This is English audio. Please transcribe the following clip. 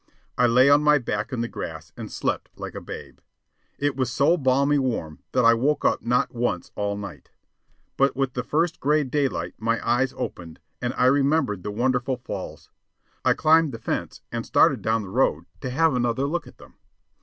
I lay on my back in the grass and slept like a babe. It was so balmy warm that I woke up not once all night. But with the first gray daylight my eyes opened, and I remembered the wonderful falls. I climbed the fence and started down the road to have another look at them.